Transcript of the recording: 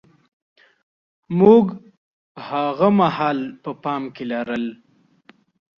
موږ هاغه مهال په پام کې لرل.